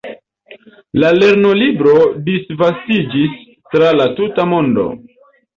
La lernolibro disvastiĝis tra la tuta mondo.